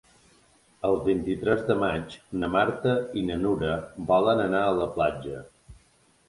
El vint-i-tres de maig na Marta i na Nura volen anar a la platja.